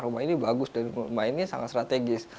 rumah ini bagus dan rumah ini sangat strategis